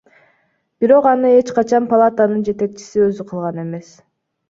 Бирок аны эч качан палатанын жетекчиси өзү кылган эмес.